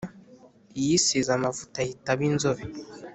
Yisize amavuta ahita aba inzobe